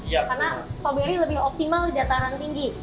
karena pelanggan lebih optimal di lataran tinggi